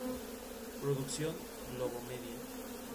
Producción: Globomedia.